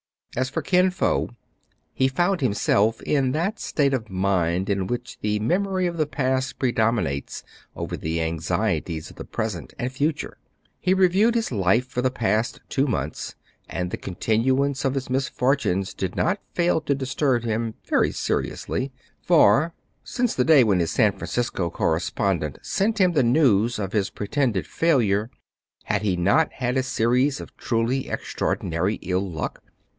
As for Kin Fo, he found himself in that state of mind in which the memory of the past predom inates over the anxieties of the present and future. He reviewed his life for the past two months, and the continuance of his misfortunes did not fail to disturb him very seriously; for, since the day CRAIG AND FRY SEE THE MOON RISE. 25 T when his San Francisco correspondent sent him the news of his pretended failure, had he not had a series of truly extraordinary ill luck